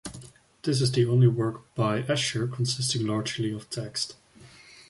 This is the only work by Escher consisting largely of text.